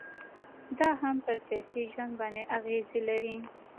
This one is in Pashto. دا هم پر سياسي ژوند باندي اغيزي لري